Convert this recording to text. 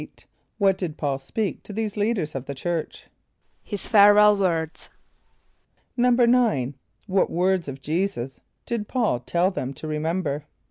= What did P[a:]ul speak to these leaders of the church? =His farewell words.= =9.= What words of J[=e]´[s+]us did P[a:]ul tell them to remember?